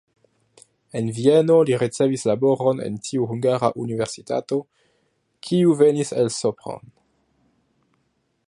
En Vieno li ricevis laboron en tiu hungara universitato, kiu venis el Sopron.